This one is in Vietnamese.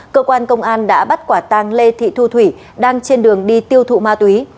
cơ quan công an đã bắt quả tang lê thị thu thủy đang trên đường đi tiêu thụ ma túy